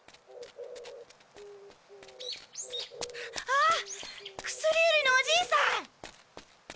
あっ薬売りのおじいさん！